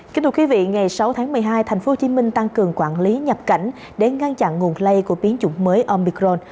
kính thưa quý vị ngày sáu tháng một mươi hai tp hcm tăng cường quản lý nhập cảnh để ngăn chặn nguồn lây của biến chủng mới omicron